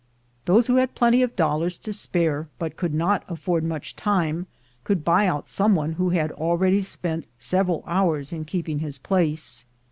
Those who had plenty of dollars to spare, but could not afFord much time, could buy out some one who had already spent several hours in keeping his place.